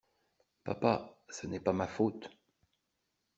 Papa, ce n’est pas ma faute.